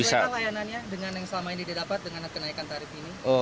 berapa layanannya dengan yang selama ini didapat dengan kenaikan tarif ini